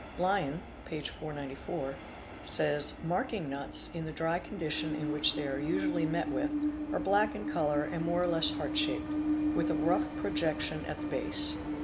Lyon ®), p, 494, says; '' marking nuts in the dry condition in which they are usually met with, are black in colour and more or less heart shaped, with a rough pro jection at the base.